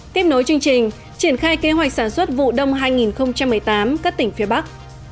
tiếp nối chương trình triển khai kế hoạch sản xuất vụ đông hai nghìn một mươi tám các tỉnh phía bắc